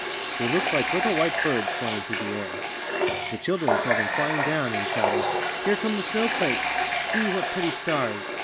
They looked like little white birds flying through the air. The children saw them flying down, and shouted, ^^Here come the snowflakes. See, what pretty stars!